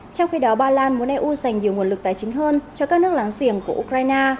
trong khi đó ba lan muốn eu dành nhiều nguồn lực tài chính hơn cho các nước láng giềng của ukraine